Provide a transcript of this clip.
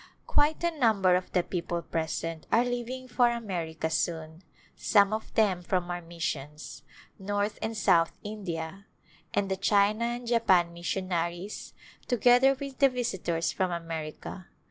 Quite a number of the people present are leaving for America soon, some of them from our missions — North and South India — and the China and Japan missionaries, together with the visitors from America.